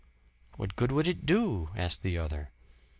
"What good would it do?" asked the other.